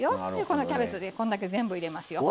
このキャベツでこんだけ全部入れますよ。